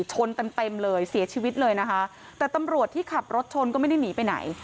ชนเต็มเต็มเลยเสียชีวิตเลยนะคะแต่ตำรวจที่ขับรถชนก็ไม่ได้หนีไปไหน